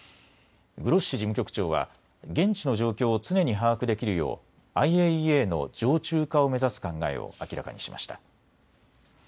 グロッシ事務局長は現地の状況を常に把握できるようＩＡＥＡの常駐化を目指す考えを明らかにしました。